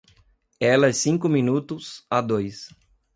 Ela é cinco minutos a dois.